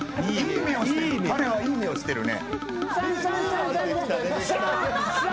彼はいい目をしてるね。